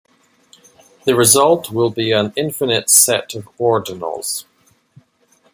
The result will be an infinite set of ordinals.